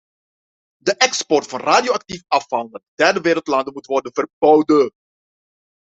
De export van radioactief afval naar derde landen moet worden verboden.